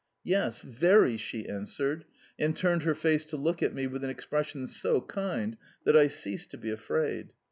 "Yes, VERY!" she answered, and turned her face to look at me with an expression so kind that I ceased to be afraid.